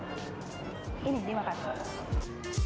jadi seperti yang dikatahui bahwa masa heel type of ayam ini